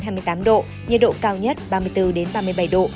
nhiệt độ cao nhất ba mươi bốn ba mươi bảy độ